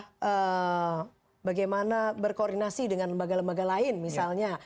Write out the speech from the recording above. nah bagaimana berkoordinasi dengan lembaga lembaga lain misalnya